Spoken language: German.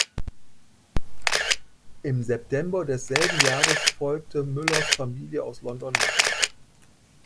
Im September desselben Jahres folgte Müllers Familie aus London nach.